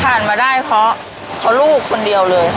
มาได้เพราะลูกคนเดียวเลยค่ะ